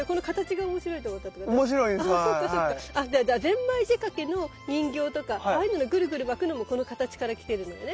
ゼンマイ仕掛けの人形とかああいうののぐるぐる巻くのもこの形から来てるのよね。